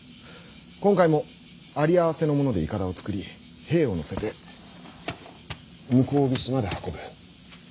今回も有り合わせのものでいかだを作り兵を乗せて向こう岸まで運ぶ。